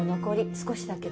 少しだけど。